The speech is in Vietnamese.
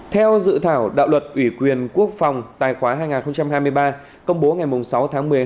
theo dự thảo đạo luật ủy quyền quốc phòng tài khoá hai nghìn hai mươi ba công bố ngày sáu tháng một mươi